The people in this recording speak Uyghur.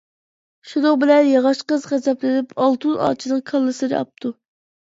شۇنىڭ بىلەن ياغاچ قىز غەزەپلىنىپ ئالتۇن ئاچىنىڭ كاللىسىنى ئاپتۇ.